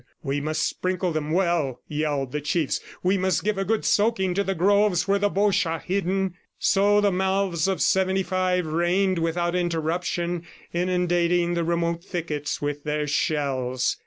"We must sprinkle them well," yelled the chiefs. "We must give a good soaking to the groves where the Boches are hidden." So the mouths of '75 rained without interruption, inundating the remote thickets with their shells.